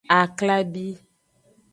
Aklabi.